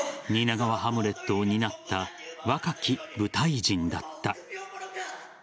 蜷川ハムレットを担った若き舞台人だった。